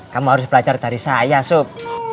kamu harus belajar dari saya sup